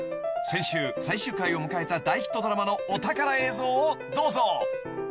［先週最終回を迎えた大ヒットドラマのお宝映像をどうぞ］